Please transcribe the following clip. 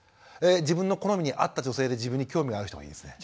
自分の好みに合った女性で自分に興味がある人がいいですね。